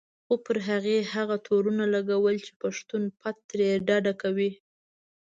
خو پر هغې هغه تورونه لګول چې پښتون پت ترې ډډه کوي.